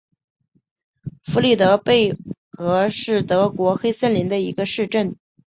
弗里德贝格是德国黑森州的一个市镇。